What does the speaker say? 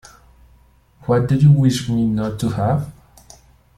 What do you wish me not to have?